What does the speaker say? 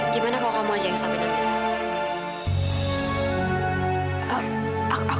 gimana kalau kamu aja yang suamin amira